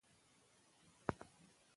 شک د ایمان دښمن دی.